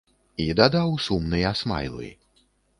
І дадаў сумныя смайлы.